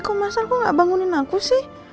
kok masal kok nggak bangunin aku sih